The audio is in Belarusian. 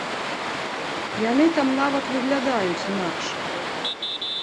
Яны там нават выглядаюць інакш.